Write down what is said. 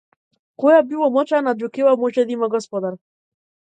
Која било мочана џукела може да има господар.